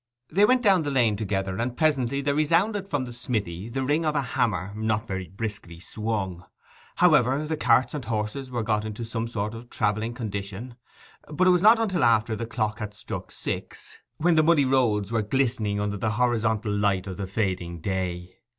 They went down the lane together; and presently there resounded from the smithy the ring of a hammer not very briskly swung. However, the carts and horses were got into some sort of travelling condition, but it was not until after the clock had struck six, when the muddy roads were glistening under the horizontal light of the fading day.